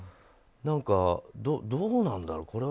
どうなんだろう